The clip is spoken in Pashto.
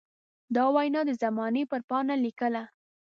دا وينا د زمانې پر پاڼه ليکله.